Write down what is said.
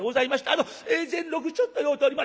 あの善六ちょっと酔うておりまして」。